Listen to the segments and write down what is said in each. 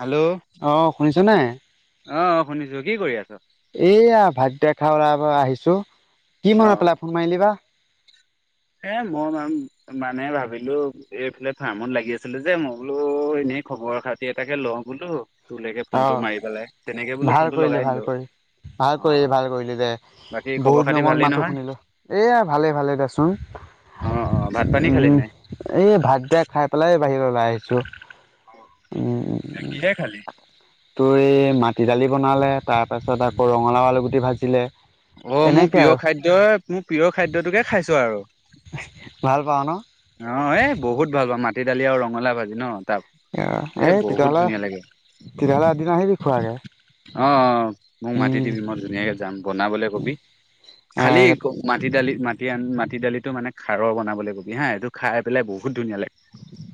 Hello অ', শুনিছানে? অ', শুনিছো, কি কৰি আছ? [unintelligible] আহিছোঁ, কি মনত পেলাই ফোন মাৰিলি বা এই মই ম-মানে ভাবিলোঁ এইফালে ফাৰ্মত লাগি আছিলোঁ যে, মই বোলো এনে খবৰ খাতি এটাকে লওঁ বোলো। তোলৈকে অ ফোনটো মাৰি পেলাই তেনেকে বোলো ভাল ফোনটো কৰিলি লগাই ভাল দিলো কৰি ভাল কৰিলি অ' ভাল কৰিলি দে বাকী খবৰ বহুত খাতি দিনৰ মুৰত ভালেই মাতটো নহয় শুনিলো এয়া ভালে ভালে দেচোন অ অ ভাত পানী খালি উম নাই এই ভাত কিতা খাই পেলাই বাহিৰত ওলাই আহিছোঁ। কিহে খালি? তোৰ এই মাটি দালি বনালে তাৰ পাছত আকৌ ৰঙালাও আলু গুটি ভাজিলে। অ' মোৰ এনেকে প্ৰিয় আৰু খাদ্যয়ই মোৰ প্ৰিয় খাদ্যটোকে খাইছো আৰু ভাল পাওঁ ন অ' এ বহুত ভাল পাওঁ মাটি দালি আৰু ৰঙালাও ভাজি ন তাপ এ এই বহুত তেতিয়াহ'লে ধুনীয়া লাগে তেতিয়াহ'লে এদিন আহিবি খোৱাকে অ', অ', অ' মোক মাতি দিবি, উম মই ধুনীয়াকে যাম বনাবলে কবি খালি ক মাটি দালি মাটি আ মাটি দালিটো মানে খাৰৰ বনাবলৈ কবি হাঁ। এইটো খাই পেলাই বহুত ধুনীয়া লাগে।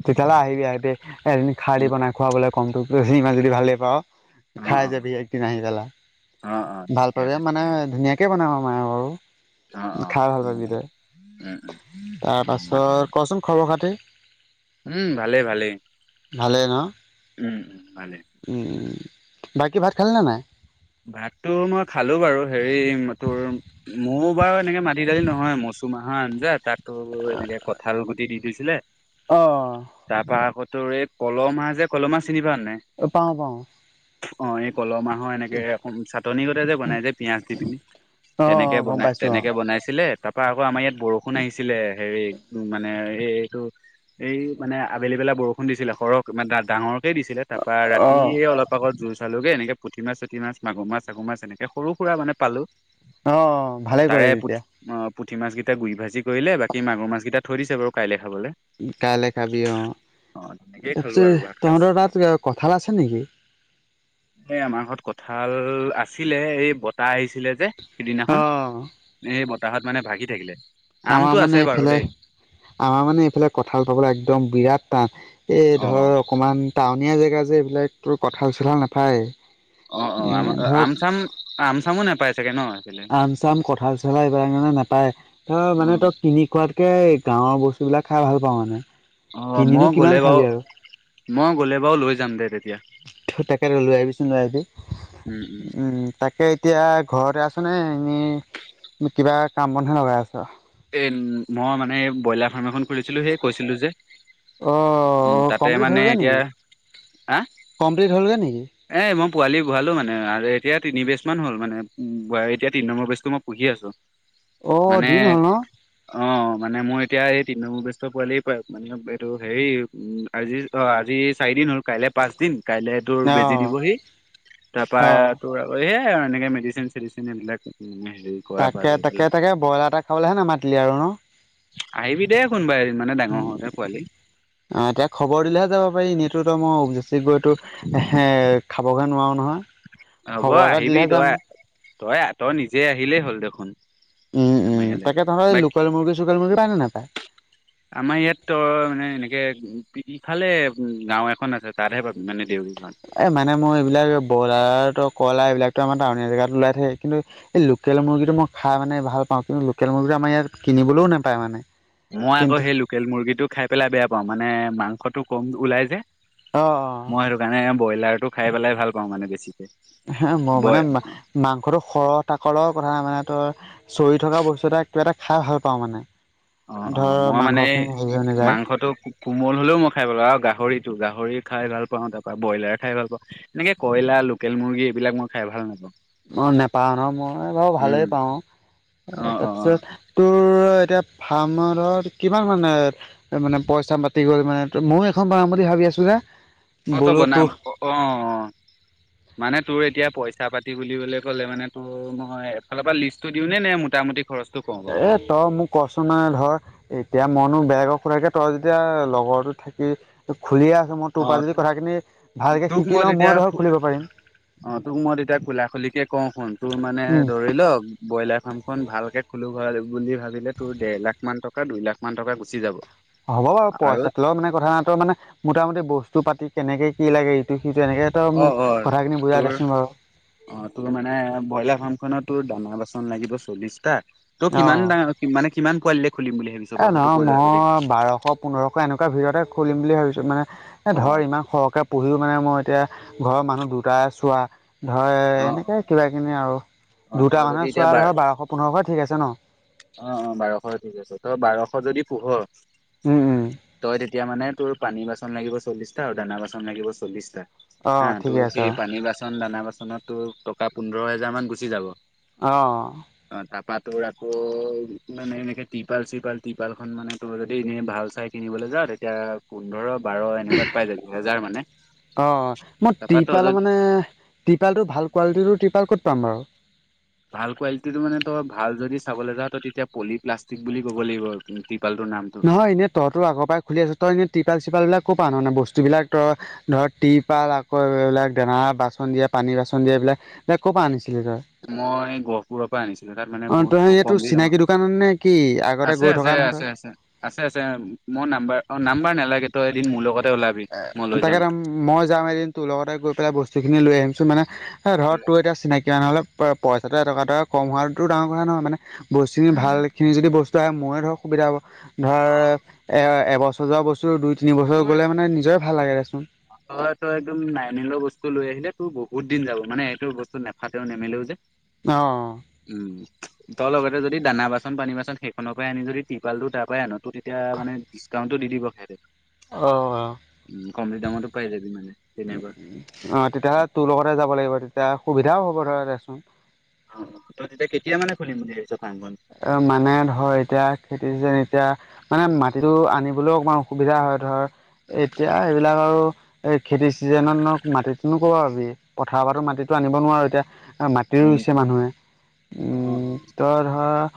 তেতিয়া হ'লে আহিবি, আহিবি এদিন খাৰ দি বনাই খোৱাবলে কম টোক যদি ইমান যদি ভালেই পাওঁ। অ খাই অ যাবি একদিন আহি পেলা অ অ ভাল ঠিকে পাবি আছে মানে ঠিকে আছে ধুনীয়াকে বনাম আৰু অ অ খাই ভাল উম পাবি তই, উম উম তাৰ অ মাতি পাছত কচোন খবৰ খাতি? উম ভালেই ভালেই ভালে ন? উম উম ভালেই উম, উম। বাকী ভাত খালেনে নাই? ভাতটো মই খালো বাৰু, হেৰি তোৰ মোৰ বাৰু এনেকে মাটি দালি নহয় মচ মচু মাহৰ আঞ্জা, তাত তোৰ এনেকে কঁঠালগুতি দি দিছিলে অ'। তোৰৰে কল মাৰ যে কলহ মাছ অ', পাওঁ, পাওঁ। অ', এই কল মাহৰ এনে দে, চাটনি গতে যে বনাই যে, পিয়াজ দি পিনি অ তেনেকে গম বনাই পাইছো অ তেনেকে বনাইছিলে তা তাৰ পৰা আমাৰ ইয়াত বৰষুণ আহিছিলে হেৰি মানে এইটো এই মানে আবেলি বেলা বৰষুণ দিছিলে। সৰহ মানে ডাঙৰ দিছিলে, তাপা অ ৰাতিয় অলপ আগত জোৰ চালোঁগে এনেকে পুঠি মাছ পুঠি মাছ, মাগুৰ মাছ, চাগুৰ মাছ এনেকে সৰু-সুৰা মানে পালো অ ভালে তাৰে কৰিলি পুঠি তেতিয়া অ' পুঠি মাছকেইটা গুৰি ভাজি কৰিলে বাকি মাগুৰ মাছকেইটা থই দিছে বাৰু কাইলে খাবলে কাইলে খাবি অ, অ তেনেকেই খালো তাৰপিছত আৰু ভাত সাজ তহঁতৰ তাত কঁঠাল আছে নেকি। এই আমাৰ ঘৰত কঁঠাল আছিলে এই বঁটাহ আহিছিলে যে। অ সিদিনাখন সেই বতাহত মানে ভাগি থাকিলে। আমাৰ আমটো মানে আছে বাৰু এইফালে দেই আমাৰ মানে এইফালে কঁঠাল পাবলৈ একদম বিৰাট টান। এই অ ধৰ অকমান টাউনীয়া জেগা যে এইবিলাকো কঁঠাল চোঠাল নাপায়ে। অ অ আম আম চাম আম চামো নোপায় চাগে ন। সেইফালে আম চাম কঁঠাল চলা এইবাৰ কাৰণে নাপায় ত অ মানে তই কিনি খোৱাত তাকে গাঁৱৰ বস্তু বিলাক খাই ভাল পাওঁ মানে। অ কিনিনো মই কিমান গলে খাবি বাৰু আৰু মই গলে বাৰু লৈ যাম দে তেতিয়া। তাকেটো লৈ আহিবিচোন লয় আহিবি। উম উম, তাকে এতিয়া ঘৰতে আছো নে এনেই কিবা কাম বনহে লগাই আছ। এ মই মানে ব্ৰইলাৰ ফাৰ্ম এখন খুলিছিলোঁ সেই কৈছিলোঁ যে। অ উ তাতে কমপ্লিট মানে হ'লগৈ এতিয়া নেকি হা, কমপ্লিট হ'লগৈ নেকি এ মই পোৱালি ভৰালো মানে আৰু এতিয়া তিনিবেছ মান হ'ল মানে ব এতিয়া তিনি নম্বৰ বেচটো মই পঢ়ি আছো। অ মানে দিন হ'ল ন। অ মানে মোৰ এতিয়া এই তিনন্বৰ বেস্ত পোৱালিয় পাৰ মানে এইটো হেৰি আজি ত আজি চাৰিদিন হ'ল কাইলৈ পাঁচ দিন। কাইলে তোৰ ন অ বেজি দিবহি তাৰপা অ তোৰ আক হে, এ এনেকে মেডিচিন চেডিচিন এইবিলাক কৰাৰ পৰা তাকে ধৰি পেলাই তাকে তাকে ব্ৰইলাৰ এটা খাবলৈহে নামাতিলি আৰু ন। আহিবি দেই কোনোবা এদিন। মানে ডাঙৰ হওঁতে পোৱালি অ' এতিয়া খবৰ দিলেহে যাব পাৰি। [unintelligible] [unintelligible] খাবগৈ নোৱাৰোঁ নহয়। হ'ব খবৰ এটা আহিবি দিলেহে যাম তই তই তই নিজে আহিলেই হ'ল দেখোন। উম আমাৰ উম ইয়ালে তাকে তহঁতৰ এই বাকী লোকেল মুৰ্গী চোকেল মুৰ্গী পায় নে নাপায়? আমাৰ ইয়াত তই মানে এনেকে ইফালে গাও এখন আছে তাতহে পাবি। মানে দেউৰী গাঁৱত এ মানে মই এইবিলাক। ব্ৰইলাৰটো কইলাৰ এইবিলাকতো আমাৰ টাউনীয়া জেগাত ওলাই থাকে কিন্তু এই লোকেল মুৰ্গীটো মই খাই মানে ভাল অ', কিন্তু লোকেল মূগী আমাৰ ইয়াত কিনিবলৈও নাপায় মানে মই আকৌ কিন্তু সেই লোকেল মুৰ্গীটো খাই পেলাই বেয়া পাওঁ মানে মাংসটো কম ওলাই যে অ মই সেইটো কাৰণে ব্ৰইলাৰটো খাই পেলাই ভাল পাওঁ মানে বেছি। হ মোৰ মানে মাংসটো খৰহ তাকলৰ কথা মানে তই চৰি থকা বস্তু কিবা এটা খাই ভাল পাওঁ মানে অ', অ', ধৰ মই মানে মাংসখিনি হেৰি হৈ নাযায় মাংসটো কোমল হলেও মই খাই পালো আৰু গাহৰিটো গাহৰি খাই ভাল পাওঁ তাৰ পৰাৰা ব্ৰইলাৰ খাই ভাল পাওঁ এনেকে কইলাৰ লোকেল মুৰ্গী এইবিলাক মই খাই ভাল নাপাওঁ। অ', নোপাও ন মই বাৰু ভালেই উম। পাওঁ এ অ', অ', অ', তাৰপিছত তোৰ এতিয়া ফাৰ্মত কিমান মানে মানে পইচা মাতি গ'ল মানে ময় এখন বনাম বুলি ভাবি আছো আছো না। অ', বনাম অ অ মানে তোৰ এতিয়া পইচা পাতি বুলিবলে লে মানে তো মই এফালৰ পৰা লিষ্টটো দিওঁ নে নে মোটামুটি খৰচ এ তই মোক কছ নাই ধৰ এতিয়া মনো বেলেগক খোৰাৰাকে তই যেতিয়া লগৰো থাকি খুলি আ মই তোৰ পৰা অ', যদি তোক কথাখিনি ভালকৈ তোক শিকি লওঁ মই তেতিয়া ধৰক খুলিব পাৰিম অ', তোক মই তেতিয়া কোলা খুলিকে কওঁ শুন তোৰ মানে উম ধৰি লওক ব্ৰইলাৰ ফাৰ্ম খন ভালকে খো বুলি ভাবিলে তোৰ ডেৰ লাখ মান টকা দুই লাখ মান টকা গুচি যাব। হ'ব বাৰু আৰু পইচাটো ল মানে কথা ন তই মানে মোটামুটি বস্তু পাতি কেনেকে কি লাগে এইটো অ', অ', তোৰ বাৰু অ তোৰ মানে ব্ৰইলাৰ ফাৰ্মখনত ডাঙৰ বাচন লাগিব চল্লিশটা ত অ', কিমানা মানে কিমান কোৱালিট খুলিম বুলি ভাবিছো এ নহয় মই বাৰশ পোন্ধৰশ এনেকুৱা ভিতৰতে খুলিম বুলি ভাবিছো মানে এ অ ধৰ ইমান সৰহকে পঢ়িহও মানে মই এতিয়া ঘৰৰ মানুহ দুটাই চোৱা ধৰ অ এনেকে কিবা কিনি আৰু অ অ তই দুটাৰ যদি কাৰানে এতিয়া চোৱা বাৰ ধৰ বাৰশ পোন্ধৰশ ঠিক আছে ন। অ', অ', বাৰশ ঠিক আছে তই বাৰশ যদি পোহ উম, উম, তই এতিয়া মানে তোৰ পানী বাচন লাগিব চল্লিছটা আৰু দানা বাচন লাগিব চল্লিছটা। অ', হা ঠিকে তোৰ আছে সেই পানী বাচন দানা বাচনত তোৰ টকা পোন্ধৰ হেজাৰ মান গুচি যাব। আহ। [unintelligible] মানে এনেকে তিপাল চিপাল তিপাল খন মানে তুম যদি এনে ভাল চাই কিনিবলৈ যা তেতিয়া পোন্ধৰ বাৰ এনেকুৱাত পাই যায় দুহেজাৰ মানে [unintelligible] ট্ৰিপালটোৰ ভাল কোৱালিটিৰৰ টিপাল ক'ত পাম বাৰু। ভাল কোৱালিটিটো মানে তই ভাল যদি চাবলৈ যা তই তেতিয়া পলি প্লাষ্টিক বুলি ক'ব লাগিব। টিপালটোৰ নামটো। নহয় এনেই তই তো আগৰ পৰাই খুলি আছো তই এনেই চিপাল চিপাল বিলাকো পান নে বস্তুবিলাক ধৰ টিপাল আকৌ এইবিলাক দানা বাচন দিয়া পানী নিৰ্বাচন দিয়া এইিলাকাক ক' পৰা আনিছিলি তই। মই গহপুৰৰ পৰা আনিছিলো তাত মানে অ তই বহুত ক এইটো কম দ দামৰ চিনাকি দোকানত নে কি আগতে আছে, গৈ থকা আছে, নহয় আছে। আছে, আছে মই নাম্বাৰ অ নাম্বাৰ নালাগে তই এদিন মোৰ লগতে ওলাবি মই তই লৈ তাকে যাম। মই যাম এদিন তোৰ লগতে গৈ পেলাই বস্তুখিনি লৈ আহিম। মানে এ ধৰক উম তোৰ এতিয়া চিনাকি মানুহলে পইচাটো এটকা, এটকা কম হোৱাটো ডাঙৰ কথা নহয় মানে বস্তুখিনি ভাল উম খিনি যদি বস্তু আহে ময় ধৰক সুবিধা প ধৰ এ এবছৰ যোৱা বস্তু দুই তি বছৰ গলে মানে নিজৰে ভাল লাগে দেচোন ত তই একদম নাইমিলোৱা বস্তু লৈ আহিলে তোৰ বহুত দিন যাব মানে এইেইটো বস্তু নেফাতেও নেমিলেও যে অ উম তই লগতে যদি দানা বাচ বান পানী বাচন সেইখনৰ পৰাই আনি যদি টিপালটো তাৰ পৰাই আনো তেতিয়া মানে ডিছকাউণ্টটো দি দিব সিহঁতে আহ, আহ। তামতো পাই যাবি মানে উ, তেনেকুৱা। অ তেতিয়াহ'লে তোৰ লগতে যাব লাগিব তেতিয়া সুবিধাও হ'ব ধৰা দেচোন। এতিয়াানে খুলিম ফাৰ্মখন? অ', মানে ধৰ এতিয়া খেতি যেন এতিয়া মানে মাটিতো আনিবলৈও অকমান অসুবিধা হয় ধৰ। এতিয়া এইবিলাক আৰু এ খেতি এই চিজনতনো মাটিতো নো কবা পাবি, পথাৰ পৰা মাটিতো আনিব নোৱাৰো এতিয়া। আৰু মাটি উম। ৰুইছে মানুহে, অ', উম। তই? অ'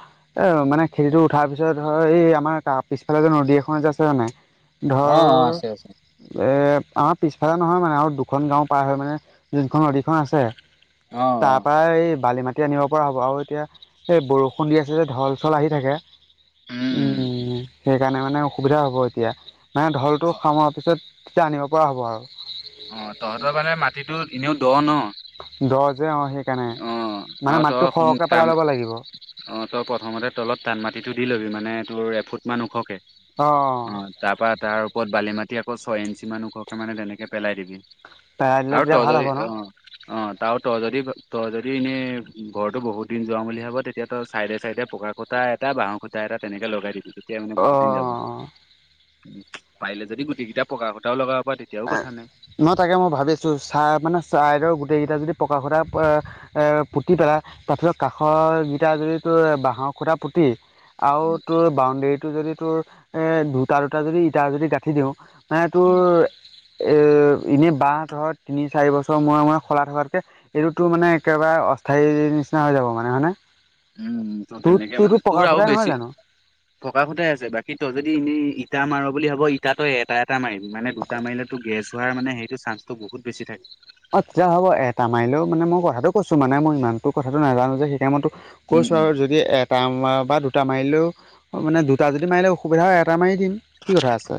এ মানে খেতিটো উঠাৰ পিছত ধৰ এই আমাৰ তাৰ পিছফালে যে নদী এখন যে আছে মানে। ধৰ অ', অ', আছে আছে এ আমাৰ পিছফালে নহয় মানে আৰু দুখন গাও পাৰ হয় মানে যোনখন নদীখন আছে। অ', তাৰ অ', পৰা এই বালি মাটি আনিব পৰা হ'ব, আৰু এতিয়া সেই বৰষুণ দি আছে যে ঢল চল আহি থাকে। উম, উম। সেইকাৰণে মা মানে অসুবিধা হ'ব এতিয়া। মানে ঢলটো খামোৱাৰ পিছত তেতিয়া আনিব পৰা হ'ব আৰু। অ' তহঁতৰ মানে মাটিটো এনেও দ ন। দ যে অ সেইকাৰণে অ' মানে আৰু মাটিটো সৰহকে পেলাই [unintelligible] ল'ব লাগিব অ অ' তই প্ৰথমতে তলত ধান মাটিতো দি ল'বি মানে। মানে তোৰ এফুট মান ওখকে। অ অ' তাৰ পৰা তাৰ ওপৰত বালিমা টি আকৌ ছয় ইঞ্চি মান ওখকে মানে তেনেকে পেলাই দিবি। পেলাই দিলে আৰু তেতিয়া তই ভাল যদি। হ'ব ন অ' অ' ত আৰু তই যদি তই যদি এনেই ঘৰতো বহুত দিন যোৱাম বুলি ভাব তেতিয়া তই চাইডে চাইডে পকা খুটা এটা বাঁহৰ খুটা এট এটা তেনেকে লগাই দিবি অ অ পাৰিল যদি গোটেই কেইটা পকা খুটাও লগাব পৰা তেতিয়া এ ন তাকে মই ভাবিছো চাহ মানে চাহদৰ গোটেইকেইটা যদি পকা সুতা এ পুতি পেলা তথাপিও কাষৰ কেইটা যদি তোৰ বাঁহৰ খুটা পুতি আও তোৰ বাউণ্ডৰীটো যদি তোৰ এ দুটা দুটা যদি ইটা যদি গাঁঠি দিওঁ নাই তোৰ এ এনেই বাহ ধৰ তিনি চাৰি বছৰ মোৰে মোৰে সলাই থকাতকে এইটোতো মানে একেবাৰে অস্থায়ী নিচিনা হৈ যাব মানে হয়নে উম ত তোৰ তেনেকে মানে তোৰতো পকা তোৰ আৰু খুটাই নহয় বেছি জানো পকা সুটাই আছে বাকী তই যদি এনেই ইটা মাৰ বুলি ভাব ইটা তই এটা এটা মাৰিম মানে দুটা মাৰিলেতো গেছ হোৱাৰ মানে সেইটো চ্ঞ্চটো বহুত বেছি থাকে অ তেতিয়া হ'ব এটা মাৰিলেও মানে মই কথাটো কৈছো মানে মই ইমানটো কথাটো নাজানো যে সেইকাৰণে মই তোক উম কৈছো উম আৰু যদি এটা মাৰ বা দু দুটা মাৰিলেও মানে দুটা যদি মাৰিলে অসুবিধা হয় এটা মাৰি দিম কি কথা আছে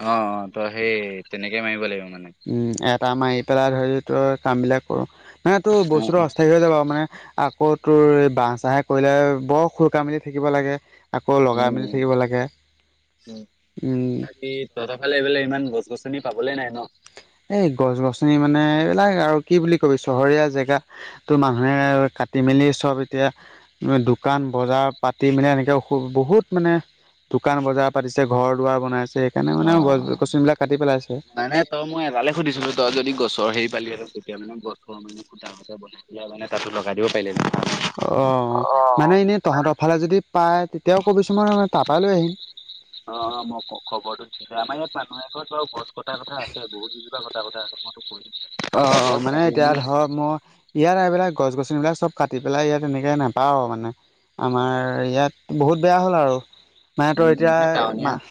অ অ তই সেই তেনেকে মাৰিব লাগিব মানে। উম এটা মাৰি পেলাই ধৰি তই কাম বিলাক কৰ মানে তোৰ উম বস্তুটো উম। অস্থায়ী হৈ যাব মানে আকৌ তোৰ এই বাহ চাহে কৰিলে বৰ খুৰকা মেলি থাকিব লাগে আকৌ লগাই উম মেলি থাকিব লাগে উম উম বাকী তহত ফালে এই [unintelligible] ইমান গছ গছনি পাবলে নাই ন এই গছ গছনি মানে এইবিলাক আৰু কি বুলি কবি চহৰীয়া জেগাত তো মানুহে কাটি মেলি চব এতিয়া দোকান বজাৰ পাতি মেলি এনেকে বহুত মানে। দোকান বজাৰ পাতিছে ঘৰ দুৱাৰ বনাই আছে সেইকাৰণে অ অ। মানে গছ গছন বিিলাক কাটি পেলাইছে। সুধিছোঁ তই যদি গছৰ হে পালি আ তেতিয়া মানে গছৰ মানে খুটা সুটা বনাই পেলাই মানে তাতো লগাই দিব পাৰিলে। অ মানে এনেই মানে তহঁতৰ ফালে যদি পায়। তেওঁ ক'বিছোঁ মই তপালৈ আহিম। এয়া আমাৰ ইয়াত মানুহে ঘৰত বু গছ কাৰ কথা আছে বহুতুজোপা কথা আছে মইতো কৰি। অ অ মানে এতিয়া ধৰক মই ইয়াৰ এইবিলাক গছ গছনিবিলাক চব। কাটি পেলাই ইয়াত এনেকে নাপাওঁ মানে অ আমাৰ ইয়াত বহুত বেয়া হ'ল আৰু। উম মাহঁতৰ এতিয়া মাহ।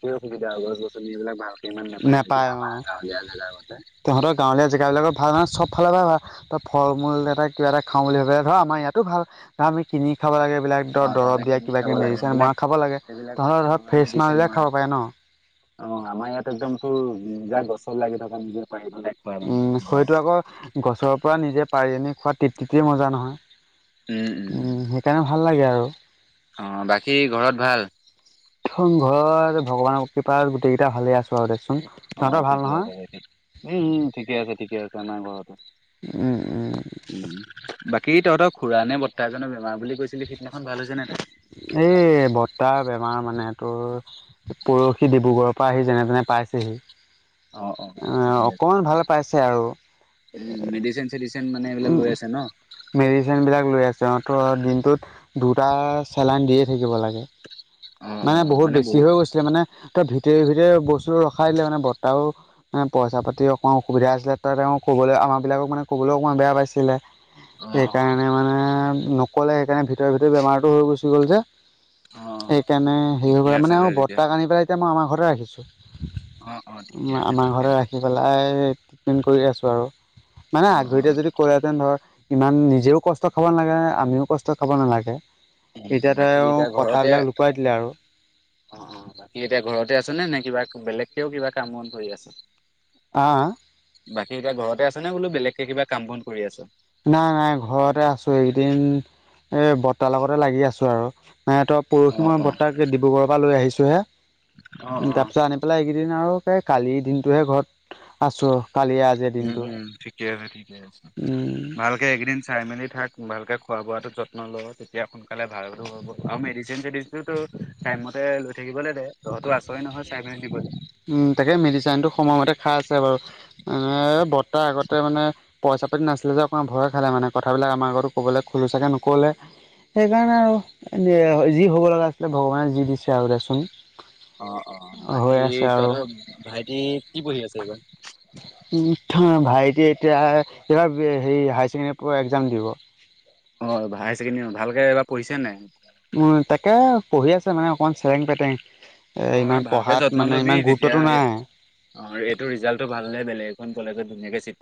কি অসুবিধা হয় গছ গছনি এইবিলাক ভালক ইমান নাপায় নেকয়া আমাৰ গাঁৱলীয়াগা মতে। জেগাবিলাকৰ ভাল ভাল। ফালৰ পৰা ত ফল মূল এটা কিবা এটা খাওঁ বুলি ভাবিলে ধৰ আমাৰ ইয়াতো ভাল ধ আমি কিনি খাব লাগে। এইবিলাক অ ধৰ তহঁতে দৰব দিয়া কিনি কিবা খাব কিব লাগে মেডিচিন সেইবিলাক মই খাব লাগেহ'লে সেইবিলাক ধৰ আমাৰ ফ্ৰেছ মেডিচিন মাবিলে মৰা খাব পাৰে ন। অ আমাৰ ইয়াত একদম তো যাক গছৰ লাগি থকা নিজ। উম খৰিতটো আকৌ গছৰ পৰা নিজে পাৰি আনি খোৱাত তেততে মজা নহয়। উম সেইকাৰণে ভাল লাগে আৰু। অ বাকী ঘৰত ভাল। ঘৰত ভগৱানৰ কৃপাত গোটেই কেইটা ভালে আছে। অ ঠিকে আছে দে ঠিক উম ঠিকে আছে ঠিকে আছে আমাৰ ঘৰতে। উম, উম, উম বাকী তহঁতৰ খুডৰা নে বত্তাহ এজনৰ বেমাৰ বুলি কৈছিলি সিদিনাখন ভাল হৈছে নে তাই। এই বৰতাহ। বেমাৰ মানে তোৰ পৰহি ডিব্ৰুগড়ৰ পৰা আহি যেনে তেনে অ অ পাইছেহি। ঠিকে আছে অকণমান ভাল পাইছে উম আৰু। মেডিচিন চেডিচিন মানে এইবিলাক উম লৈ আছে ন মেডিচিন বিলাক লৈ আছে অহ ত দিনটোত দুটা চেলন দিয়ে থাকিব লাগে। অ অ মানে বহুত বেছি বহু হৈ গৈছিলে মানে তই ভিত টেই ভিতৰে বস্তু ৰখাই দিলে মানে বতাও মানে পইচা পাতি অকণমান অসুবিধা আছিলে ত তেওঁ ক'বলৈ আমাৰ বিলাকক মানে ক'বলৈও অকণমান বেয়া পাইছিলে অ অ সেইকাৰণে মানে নকলে সেইকাৰণে ভিতৰে ভিতৰে বেমাৰটো হৈ গুচি গ'ল যে অ সেইকাৰণে হেৰি হৈ ঠিকে কৰে আছে মানে দে আৰু তেতিয়া বৰ্তাক আনি পেলাই এতিয়া মই আমাৰ ঘৰতে ৰাখিছো। অ অ ঠিকে আছে আমাৰ ঠিকে ঘৰতে আছে ৰাখি পেলাই ট্ৰিটমেণ্ট কৰি আছো আৰু। মানে অ অ অ আগধৰিতে যদি ক'লেহেঁতেন ধৰ ইমান নিজেও কষ্ট খাব নালাগে আমিও কষ্ট খাব নালাগে। উ এতিয়া বাকী তেওঁ এতিয়া ঘৰতে কথাবিলাক লুকুৱাই দিলে আৰু অ অ বাকী এতিয়া ঘৰতে আছ নে নে কিবা বেলেগ কেও কিবা কামত ধৰি আছে আহ বাকী এতিয়া ঘৰত তে আছে নে বোলো বেলেকে কাম বন কৰি আছে। নাই নাই ঘৰতে আছো এইকেইদিন এ বৰ্তাৰ লগতে লাগি আছো আৰু। হেত পৰহি অ', মই অ', বৰ্তাক ডিব্ৰুগড়ৰ পৰা লৈ আহিছোঁহে অ', অ', তাৰপিছত আনি পেলাই এইকেইদিন আও সে কালিৰ দিনতটোহে ঘৰত আছো। কালিয়ে আজিৰ উম দিনটো উম ঠিকে আছে ঠিকে আছে উম ভালকে এইকেইদিন চাই মেলি থাক ভালকে খোৱা বোৱাটো যত্ন ল তেতিয়া সোনকালে ভাল হ'ব আৰু মেডিচিন চেডিচিনটো টাইম মতে লৈ থাকিবলে দে। তহঁতো আছই নহয় চাই মেলি দিবলৈ। উম তাকে মেডিচিনতটো সময়মতে খাই আছে বাৰু [unintelligible] বৰ্তা আগতে মানে পইচাতি নাছিলে যে অকণমান ভয় খে মানে কথাবিলাক আমাৰ আগতো ক'বলে খোলোছাকে নু কলে সেইকাৰণে আৰু এ যি হ'ব লগা আছিলে ভগৱানে যি দিছে আৰু দেচোন অ অ বাকী হৈ আছে আৰু তহঁতৰ ভাইটি কি পঢ়ি আছে এইবাৰ? উ থঁ ভাইটিয়ে এতিয়া এইবাৰ হেৰি হায় ছেকেণ্ডৰি পৰা একজাম দিব। অ হায়াৰ ছেকেণ্ডেৰী ভালকে এবাৰ পঢ়িছে নে নাই? অঁ তাকে পঢ়ি আছে মানে অকমান চেৰেং পেতেং। এ অ', ইমান ভালকে পঢ়াত যত্ন মানে ল'বি ইমান তেতিয়া গুৰুত্বটো এ নাই। অ এইটো ৰিজাল্টটো ভাল নে বেলেগ এইখন কলেজত ধুনীয়াকে চিত